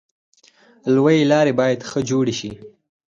لویې لارې باید ښه جوړې شي.